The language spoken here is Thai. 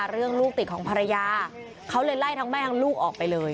เรื่องลูกติดของภรรยาเขาเลยไล่ทั้งแม่ทั้งลูกออกไปเลย